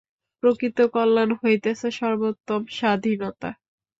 প্রকৃত কল্যাণ হইতেছে সর্বোত্তম স্বাধীনতা।